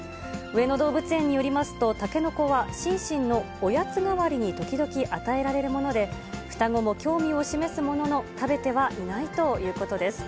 上野動物園によりますと、タケノコはシンシンのおやつ代わりに時々与えられるもので、双子も興味を示すものの、食べてはいないということです。